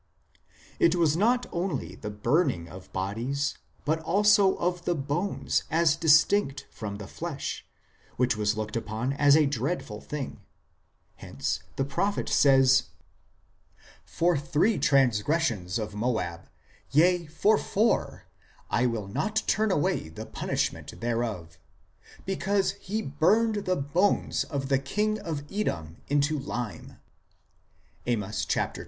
.." It was not only the burning of bodies, but also of the bones, as distinct from the flesh, which was looked upon as a dreadful thing ; hence the prophet says :" For three transgressions of Moab, yea, for four, I will not turn away the punishment thereof ; because he burned the bones of the king of Edom into lime," Amos ii. 1.